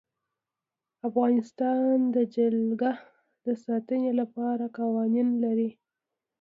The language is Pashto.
افغانستان د جلګه د ساتنې لپاره قوانین لري.